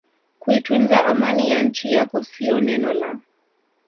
kuitunza Amani ya nchi yako sio neno la